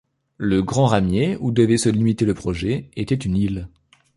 Le Grand Ramier, ou devait se limiter le projet, était une île.